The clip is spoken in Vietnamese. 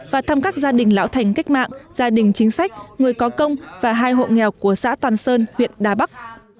và thăm các gia đình lão thành cách mạng gia đình chính sách người có công và hai hộ nghèo của xã toàn sơn huyện đà bắc